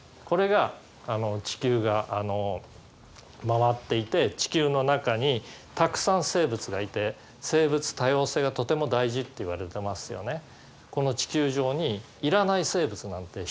これが地球が回っていて地球の中にたくさん生物がいて生物多様性がとても大事っていわれてますよね。